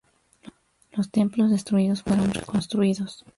Los templos destruidos fueron reconstruidos.